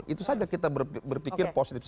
itu saja kita berpikir positif